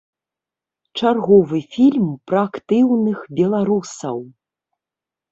Чарговы фільм пра актыўных беларусаў.